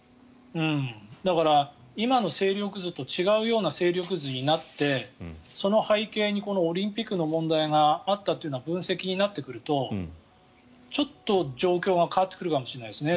だから、今の勢力図と違うような勢力図になってその背景にオリンピックの問題があったという分析になってくるとちょっと状況が変わってくるかもしれないですね。